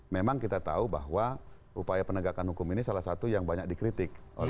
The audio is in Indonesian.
memang kita tahu bahwa upaya penegakan hukum ini salah satu yang banyak dikritik